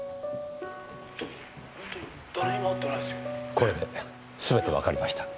これですべてわかりました。